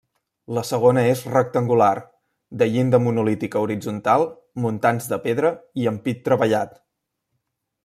La segona és rectangular, de llinda monolítica horitzontal, muntants de pedra i ampit treballat.